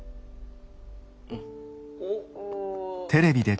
「うん」。